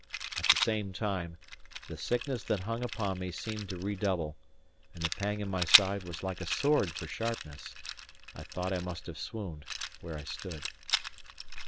At the same time, the sickness that hung upon me seemed to redouble, and the pang in my side was like a sword for sharpness. I thought I must have swooned where I stood.